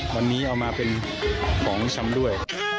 วันนี้เอามาเป็นของชำด้วย